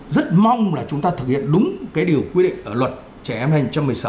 rất mong là chúng ta thực hiện đúng cái điều quy định ở luật trẻ em hành một trăm một mươi sáu